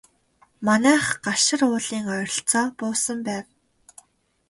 Манайх Галшар уулын ойролцоо буусан байв.